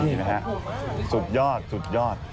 นี่นะฮะสุดยอด